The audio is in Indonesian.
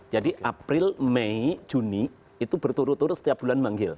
jadi april mei juni itu berturut turut setiap bulan memanggil